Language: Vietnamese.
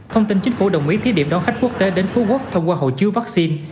thông tin chính phủ đồng ý thí điệm đón khách quốc tế đến phú quốc thông qua hộ chiếu vaccine